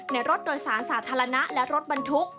รถโดยสารสาธารณะและรถบรรทุก